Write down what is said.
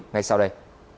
ngay sau đây